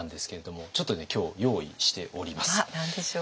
あっ何でしょう？